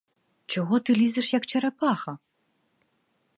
Чого ти лізеш, як черепаха?